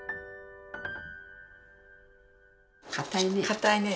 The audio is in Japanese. かたいね。